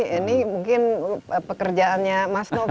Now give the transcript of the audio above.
ini mungkin pekerjaannya mas novi